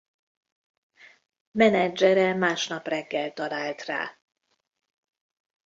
Menedzsere másnap reggel talált rá.